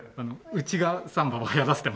うちがサンバを流行らせてます。